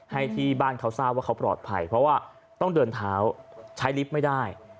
ให้ที่บ้านเขาทราบว่าเขาปลอดภัยเพราะว่าต้องเดินเท้าใช้ลิฟต์ไม่ได้